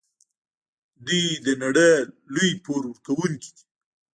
دوی د نړۍ لوی پور ورکوونکي دي.